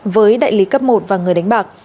với đại lý cấp một và người đánh bạc